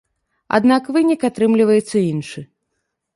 Аднак вынік атрымліваецца іншы.